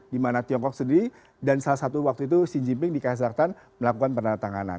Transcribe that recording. di mana tiongkok sendiri dan salah satu waktu itu xi jinping dikaisarkan melakukan perantanganan